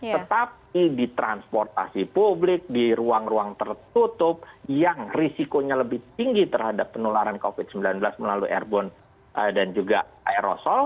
tetapi di transportasi publik di ruang ruang tertutup yang risikonya lebih tinggi terhadap penularan covid sembilan belas melalui airborne dan juga aerosol